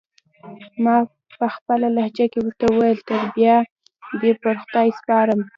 ما پخپله لهجه کې ورته وویل: تر بیا دې پر خدای سپارم.